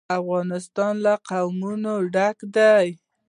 افغانستان له قومونه ډک دی.